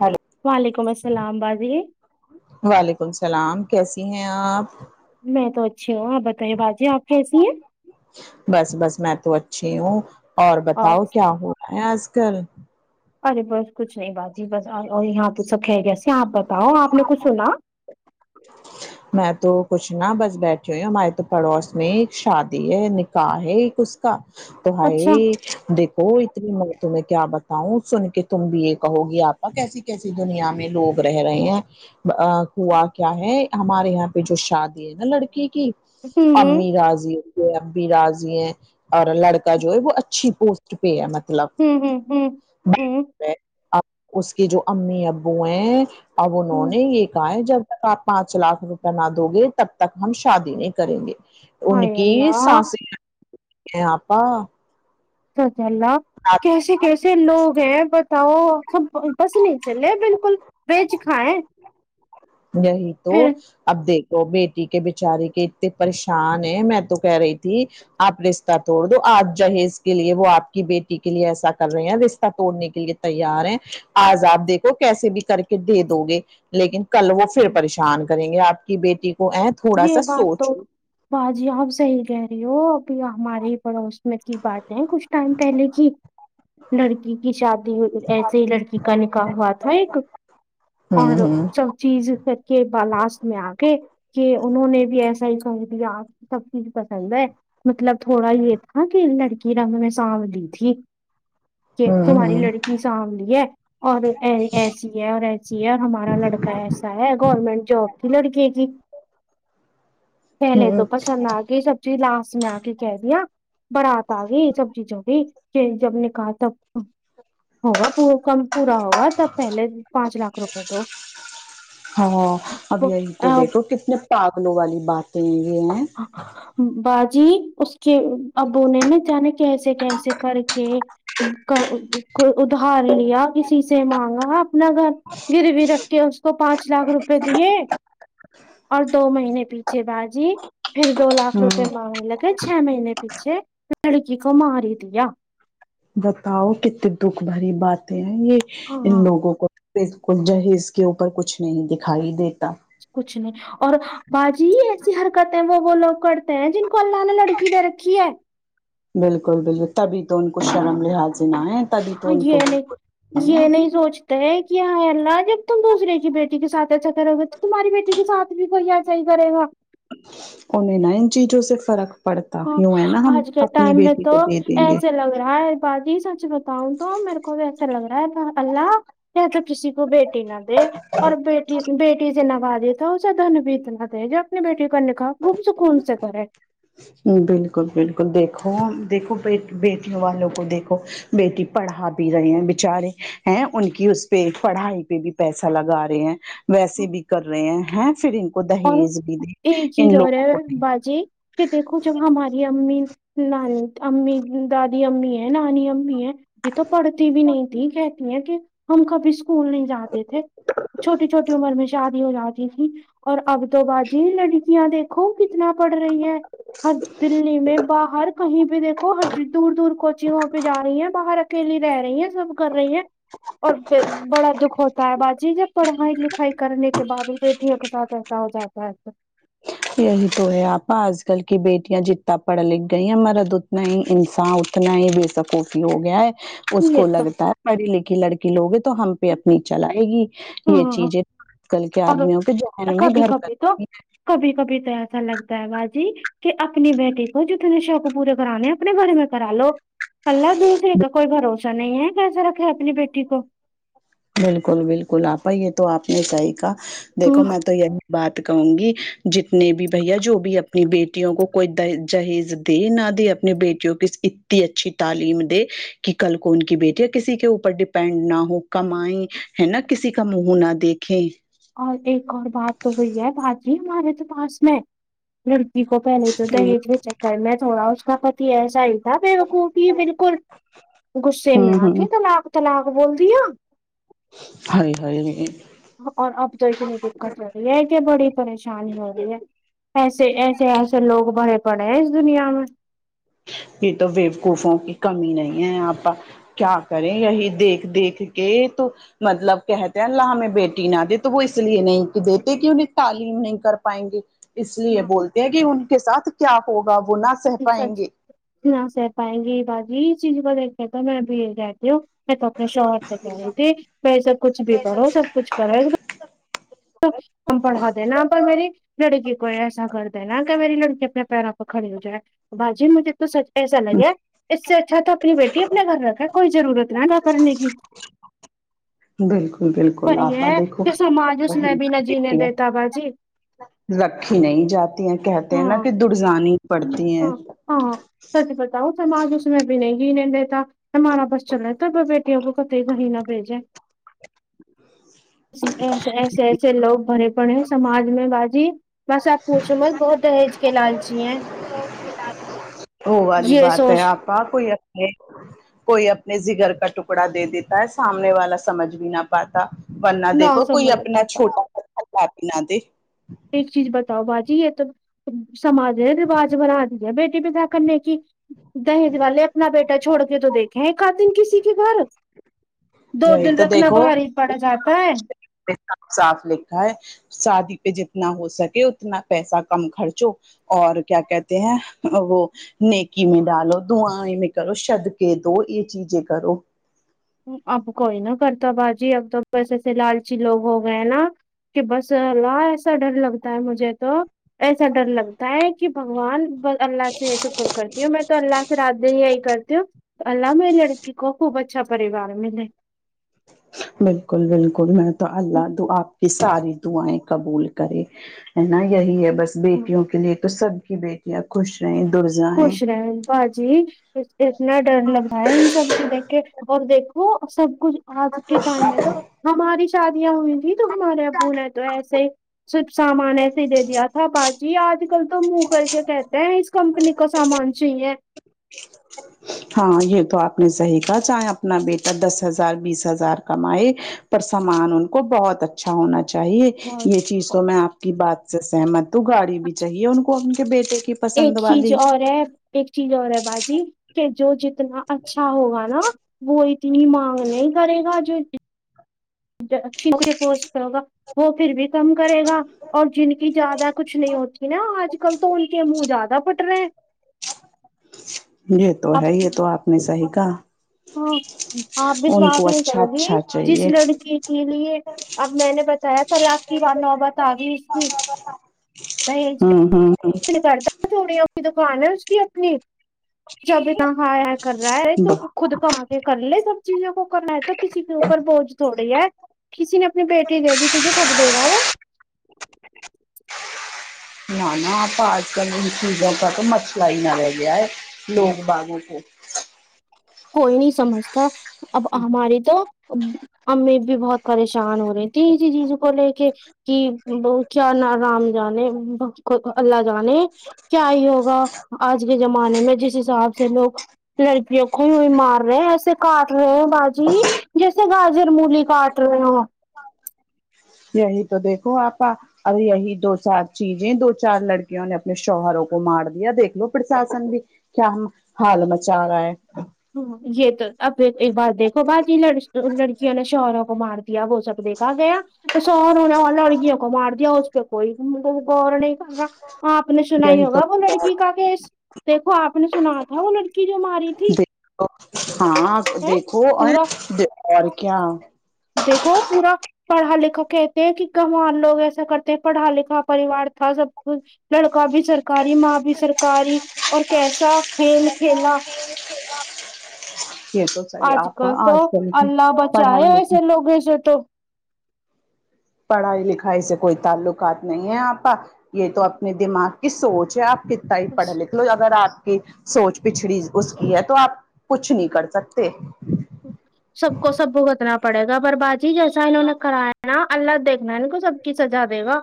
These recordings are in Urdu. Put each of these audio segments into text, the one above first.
ہیلو وعلیکم السلام بازی وعلیکم السلام کیسی ہیں آپ میں تو اچھی ہوں آپ بتائیے باجی آپ کیسی ہیں بس بس میں تو اچھی ہوں اور بتاو کیا ہو رہا ہے آج کل ارے بس کچھ نہیں باجی بس اور یہاں تو سب خیریت سے ہیں آپ بتاو آپ نے کچھ سنا میں تو کچھ نا بس بیٹھی ہوئی ہوں ہمارے تو پڑوس میں ایک شادی ہے نکاح ہے ایک اس تو اچھا حائے ہو اتنی میں تمہیں کیا بتاوں سن کے تم بھی یہ کہو گی آپا کیسی کیسی دنیا میں لوگ رہ رہے ہیں ہوا کیا ہے ہمارے یہاں پہ جو شادی نا لڑکی کی ہوں ہوں امی راضی ابی راضی ہیں اور لڑکا جو ہے وہ اچھی پوس کے پی ہے مطلب ہوں ہوں ہوں ہوں اب اس کے جو امی ابو ہیں اب انہوں ہوں نے یہ کہا ہے جب تک آپ پانچ لاکھ روپے نہ دو گے تب تک ہم شادی نہیں کریں گے ان ہائے کی اللہ ساس [unintelligible] ہیں آپا سچ اللہ کیسے کیسے لوگ ہیں بتاؤ سب بس نہیں چلے بالکل بیچ کھائیں یہی تو پھر اب دیکھو بیٹی کے بیچاری کے اتنے پریشان ہیں میں تو کہہ رہی تھی آپ رشتہ توڑ دو آپ جہیز کے لیے وہ آپ کی بیٹی کے لیے ایسا کر رہے ہیں رشتہ توڑنے کے لیے تیار ہیں آج آپ دیکھو کیسے بھی کر کے دے دو گے لیکن کل وہ پھر پریشان کریں گے آپ کی بیٹی کو ا تھوڑا یہ سا بات تو سوچ لو باجی آپ صحیح کہہ رہی ہو ابھی ہمارے پڑوس کی بات ہے کچھ ٹائم پہلے کی لڑکی کی شادی ہو ایسے ہی لڑکی کا نکاح ہوا تھا ایک ہوں اور ہوں سب چیز کر کے پر لاسٹ میں آ کے کہ انہوں نے بھی ایسا ہی سمجھ لیا اب سب چیز پسند ہے مطلب تھوڑا یہ تھا کہ لڑکی رنگ میں ساولی تھی کہ ہوں تمہاری ہوں لڑکی ساولی ہے اور ایسی ہے ویسی ہے اور ہمارا لڑکا ایسا ہے گورنمنٹ جاب تھی لڑکے کی پہلے تو ہوں پسند آ گئی سب چیز لاسٹ میں آ کے کہہ دیا برات آ گئی سب چیز ہو گئی کے جب نکاح تب ہوگا کم پورا ہوگا تب پہلے پانچ لاکھ روپئے تو ہاں اب یہی تو دیکھو وہ کتنا پاگلوں والی باتیں یہ ہیں باجی اس کے ابو نےناجانے کیسے کیسے کر کے کا کو ادھار لیا کسی سے مانگا اپنا گھر گروی رکھ کے اس کو پانچ لاکھ روپے دیے اور دو مہینے پیچھے باجی پھر دو لاکھ ہوں روپے مانگ لے کے چھ مہینے پیچھے لڑکی کو مار ہی دیا بتاؤ کتنی دکھ بھری باتیں ہیں یہ ان ہاں لوگوں کو ان کو جہز کے اوپر کچھ نہیں دکھائی دیتا کچھ نہیں اور باجی ایسی حرکتیں وہ وہ لوگ کرتے ہیں جن کو اللہ نے لڑ کی دے رکھی ہے بالکل بالکل تبھی تو ان کو شرم لحاظ نہ ہے تبھی تو ہاں ان کو یہ بالکل نہیں ہے یہ نہیں سوچ تے کہ ہ اللہ جب تم دوسرے کی بیٹی کے ساتھ ایسا کرو گے تو تمہاری بیٹی کے ساتھ بھی کوئی ایسا ہی کریگا انہیں نا ان چیزوں سے فرق پڑتا ہاں یوں ہے نا ہم آج کے اپنی ٹائم میں بیٹی تو کو دے دیں گے ایسے لگ رہا ہے باجی سچ بتاؤں تو میرے کو بھی ایسا لگ رہا بس اللہ پھر تو کسی کو بیٹی نا دے اور بیٹی بیٹی سے نوازے تو اسے دھن بھی اتنا دے جو اپنے بیٹی کا نکاح خوب سکون سے کرے بالکل بالکل دیکھو دیکھو بیٹیوں والوں کو دیکھو بیٹی پڑھا بھی رہی ہیں بیچارے ہیں ان کی اس پہ پڑھائی پہ بھی پیسہ لگا تے ہیں ویسے بھی کر رہے ہیں ہیں پھر ان کو اور دہیز بھی دے ایک چیز ان اور ہے لوگوں کو باجی کہ دیکھو جب ہماری امی نا امی داد امی ہے نانی امی ہے یہ تو پڑھتی بھی نہیں تھی کہتی ہیں کہ ہم کبھی اسکول نہیں جاتے تھے چھوٹی چھوٹی عمر میں شادی ہو جاتی تھی اور اب تو باجی لڑکیاں دیکھو کتنا پڑھ رہی ہیں ہر دلی میں باہر کہیں بھی دیکھو ہ دور دور کوچنگ وہ پہ جا رہی ہیں باہر کے لیے رہ رہی ہیں سب کر رہی ہیں اور بڑا دکھ ہوتا ہے باجی جب پڑھائی لکھائی کرنے کے بعد بھی بیٹیوں کے ساتھ کیسا ہو جاتا ہے تو یہی تو ہے آپا آج کل کی بیٹیاں جتنا پڑھ لکھ گئی ہیں مرد اتنا ہی انسان اتنا ہی بے سکوفی ہو گیا ہے اس یہ کو تو لگتا ہے پڑھی لکھی لڑکی لوگے تو ہم پہ اپنی چلائے گی یہ ہاں چیزیں آج کل کے اور آدمیوں کے جہن میں کبھی گھر کبھی تو کرتی ہیں کبھی کبھی تو ایسا لگتا ہے باجی کہ اپنی بیٹی کو جتنے شوق پورے کرانے اپنے گھر میں کرا لو اللہ دوسرے کا کوئی بھروسہ نہیں ہے کیسا رکھے اپنی بیٹی کو بالکل بالکل آپا یہ تو آپ نے صحیح کہا دیکھو میں تو یہی بات کہوں گی جتنے بھی بھیا جو بھی اپنی بیٹیوں کو کوئی جہیز دے نہ دے بیٹیوں کی اتنی اچھی تعلیم دے کہ کل کون کی بیٹییا ہے کسی کے اوپر ڈیپینڈ نہ ہو کماے ہے نا کسی کا منہ نہ دیکھے اور ایک اور بات تو ہوئی ہے باجی ہمارے تو پاس میں لک کو پہلے تو ہوں دہیج کے چکر میں تھوڑا اس کا پتی ایسا ہی تھا بیوقوف کہ بالکل غصے ہوں میں آ کے ہوں طلاق طلاق بول دیا ہاے ہاے اور اب تو اتنی دقت ہو رہی ہے کہ بڑی پریشانی ہو رہی ہے ایسے ایسے ایسے لوگ بڑے پڑے ہیں اس دنیا میں یہ تو بے خوفوں کی کمی نہیں ہے آپا کیا کریں یہی دیکھ دیکھ کے تو مطلب کہتے ہیں اللہ ہمیں بیٹی نہ دے تو وہ اس لیے نہیں دیتے کہ انہیں تعلیم نہیں کر پائیں گے اس لیے ہاں بولتے ہیں کہ ان کے ساتھ کیا ہوگا وہنا سچ نا سہ پائیں گے باجی چیز کو د کہتا میں ابھی رہتی ہوں میں تو اپنے شوہر سے کہہ رہئی تھی وسا کچھ بھی کرو سب کچھ کرو ایک تو ہم پڑھا دین پر میری لڑکی کو ایسا کر دینا کہ میری لڑکی اپنے پیروں پے کھڑی ہو جائے باجی مجھے تو سچ ایسا لگیا اس سے اچھا تو اپنی بیٹی اپنے گھر رکھا کوئی ضرورت نہ وداکرنے کی بالکل بالکل پر یہ آپا ہے دیکھو کہ سماج اس میں بھی نہ جینے بیٹیاں دیتا باجی رکھی نہیں جاتی ہیں کہتے ہیں ہاں نا کہ د جانی پڑتی ہے ہاں ہاں سچ بتاؤ سماج اس میں بھی نہیں جینے دیتا ہمارا بس چلے ہے تو بیٹیوں ختیی کہاہے نہ بھیجے ایسے ایسے ایسے لوگ بھرے پڑے سماج میں باجی بس آب پوچھوں مت بہت دھج کے لالچی ہیں وہ والی یہ بات ہے سوچ آپا کوئی اپنے کوئی اپنے جگر کا ٹکڑا دے دیتا ہے سامنے والا سمجھ بھی نہ پاتا ورنا نہ دیکھو کوئی سمجھ اپنا پاتا چھوٹا [unintelligible] نہ دے ایک چیز بتاؤ باجی یہ تو سماج نے رواج بنا دی ہے بیٹی بدا کرنے کی دہیج والے اپنا بیٹا چھوڑ کے تو دیکھے ایک اد دن کسی کے گھر دو یہی دن تو رکھنا دیکھو بھاری پڑ جاتا ہے صاف صاف لکھا ہے شادی پہ جتنا ہو سکے اتنا پیسہ کم خرچو اور کیا کہتے ہیں ا وہ نیکی میں ڈالو دعائیں میں کرو صدقے دو یہ چیزیں کرو اب کوئی نہ کرتا باجی اب تو اپسے ایسے لالچی لوگ ہو گئے نا کہ بس اللہ ایسا ڈر لگتا ہے مجھے تو ایسا ڈر لگتا ہے کہ بھگوان بس اللہ سے شکر کرتی ہوں میں تو اللہ رات دن یہی کرتی ہوں اللہ میری لڑکی کو خوب اچھا پریوار ملے بالکل بالکل میں تو اللہ دعا آپ کی س ساری دعائیں قبول کرے ہے نا یہی ہے بس بیٹیوں کے لیے تو سب کی بیٹی ان خوش رہے [unintelligible] خوش رہے باجی اتنا ڈر لگ رہا ہے ان سب سے دیکھ کے اور دیکھو سب کچھ آج کے ٹائم میں تو ہماری شادیاں ہوئی تھی تو ہمارے ابو نے تو ایسے صرف سامان ایسے ہی دے دیا تھا باجی آج کل تو منہ کر کے کہتے ہیں اس کمپنی کا سامان چاہیے ہاں یہ تو آپ نے صحیح کہا چاہے اپنا بیٹا دس ہزار بیس ہزار کمائے پر سامان ان کو بہت اچھا ہونا چاہیے بہت یہ چیز تو میں آپ کی بات سے سہمت تو گاڑی بھی چاہیے ان کو ان کے بیٹے کی ایک پسند چیز والی اور ہے ایک چیز اور ہے باجی کہ جو ج تنا اچھا ہوگا نا وہ اتنی مانگ نہیں کرے گا جو اچھی کوئی پوسٹ پہ ہوگا وہ پھر بھی کم کرے گا اور جن کی زیادہ کچھ نہیں ہوتی نا آج کل تو ان کے منہ زیادہ پھٹ رہے ہیں یہ تو اب ہے یہ تو آپ نے صحیح کہا ہاں آپ ان وشواس کو نہیں اچھا کرو گی اچھا جس چاہیے۔ لڑکی کے لیے اب میں نے بتایا طلاق کی نوبت آ گئی اس کی ہوں ہوں ہوں، لڑکے کی چڑیوں کی دکان ہے اس کی اپنی جب اتنا ہائے ہائے کر رہا ہے تو بہ خود کما کے کر لے سب چیزوں کو کرنا ہے تو کسی کے اوپر بوجھ تھوڑی ہے کسی نے اپنی بیٹی دے دی تجے سب دے گا وہ نہ نہ آپا آج کل ان چیزوں کا مسلہ ہی نہ رہ گیا ہے نور بانو ہے کوئی نہیں سمجھتا اب ہماری تو با امی بھی بہت پریشان ہو رہی تھی اسی چیز کو لے کے کی ب کیا ن رام جانے ب کو اللہ جانے کیا ہی ہوگا آج کے زمانے میں جس حساب سے لوگ لڑکیوں کو یوں ہی مار رہے ہیں ایسے کاٹ رہے ہیں باجی جیسے گاجر مولی کاٹ رہے ہو یہی تو دیکھو آپا اب یہی دو چار چیزیں دو چار لڑکیوں نے اپنے شوہروں کو مار دیا دیکھ لو پرشاسن بھی کیا ہم حال مچا رہا ہے ہ یہ تو اب ایک بار دیکھو باجی لڑک لڑکیوں نے شوہروں کو مار دیا وہ سب دیکھا گیا تو شوہروں نے لڑکیوں کو مار دیا اس پہ کوئی مطلب گور نہیں کررہا آپ نے سنا ہی یہی تو ہوگا وہ لڑکی کا کیس دیکھو آپ نے سنا تھا وہ لڑکی جو ماری تھی اب ہاں اب ہے دیکھو ا پورا د اور کیا دیکھو پورا پڑھا لکھا کہتے ہیں کہ گنوار لوگ ایسا کرتے ہیں پڑھا لکھا پریوار تھا سب کچھ لڑکا بھی سرکاری ماں بھی سرکاری اور کیسا کھیل کھیلا یہ تو صحیح آج آپا کل تو آج کل اللہ پڑھائی بچائے ایسے لکھائی تو بھی سیٹ ہو پڑھائی لکھائی سے کوئی تعلقات نہیں ہے آپ کا یہ تو اپنے دماغ کی سوچ ہے آپ کے تا ہی پڑھ بس لکھ لو اگر آپ کی سوچ پچھڑی اس کی ہے تو آپ کچھ نہیں کر سکتے سب کو سب بھگتنا پڑے گا پر باجی جیسا انہوں نے کرا ہے نا اللہ دیکھ رہا ہے ان کو سب کی سزا دے گا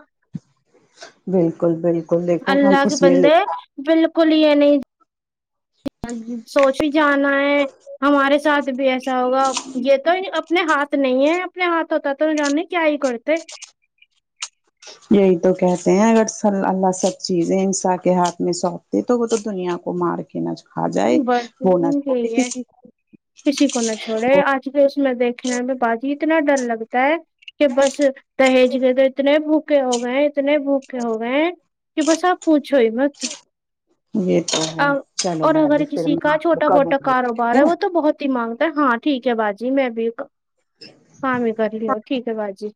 بالکل بالکل دیکھو ہم اللہ اس کے میں بندے بالکل ہی یہ نہیں سوچ بھی جانا ہے ہمارے ساتھ بھی ایسا ہوگا یہ تو اپنے ہاتھ نہیں ہے اپنے ہاتھ ہوتا تو جانے کیا ہی کرتے یہی تو کہتے ہیں اگر سل اللہ سب چیزیں انساں کے ہاتھ میں سونپ دے تو وہ تو دنیا کو مار دے نچ کھا جائے بس وہ نا چھوڑے یہی ہے کسی کو جی اس میں دیکھنے میں باجی اتنا ڈر لگتا ہے کہ بس دہیج کے تو اتنے بھوکے ہو گئے اتنے بھوکے ہو گئے ہیں کہ بس آپ پوچھو ہی مت یہ تو ہے چلو اور اگر بھابھی پھر کسی میں کا آپ کو چھوٹا کروں موٹا گی ٹھیک کاروبار ہے وہ تو بہت مانگتا ہے ہاں ٹھیک ہے باجی میں بھی ہاں میں کر لی ہوں ٹھیک ہے باجی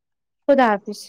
خدا حافظ